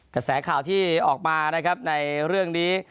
กระแสข่าวที่ออกมานะครับในเรื่องนี้